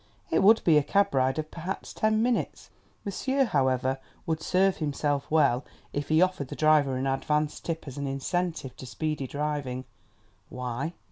It would be a cab ride of perhaps ten minutes. Monsieur, however, would serve himself well if he offered the driver an advance tip as an incentive to speedy driving. Why?